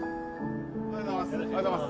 おはようございます。